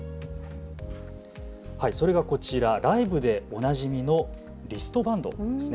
それがこちらライブでおなじみのリストバンドです。